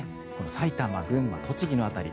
埼玉、群馬、栃木の辺り